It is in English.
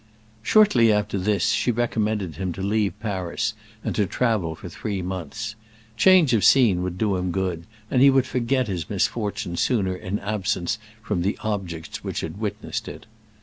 Shortly after this she recommended him to leave Paris and travel for three months. Change of scene would do him good, and he would forget his misfortune sooner in absence from the objects which had witnessed it.